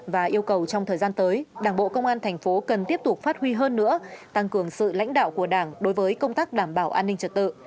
và yêu cầu trong thời gian tới đảng bộ công an thành phố cần tiếp tục phát huy hơn nữa tăng cường sự lãnh đạo của đảng đối với công tác đảm bảo an ninh trật tự